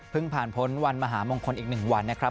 เพิ่งผ่านพ้นวันมหามงคลอีกหนึ่งวันนะครับ